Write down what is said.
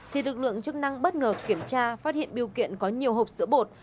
thì lực lượng chức năng bất ngờ kiểm tra phát hiện biêu kiện có nhiều hộp sữa bột